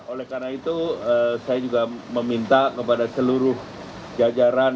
oleh karena itu saya juga meminta kepada seluruh jajaran